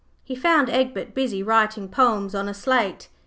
He found Egbert busy writing poems on a slate.